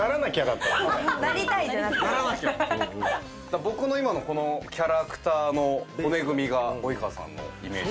僕の今のこのキャラクターの骨組みが及川さんのイメージ。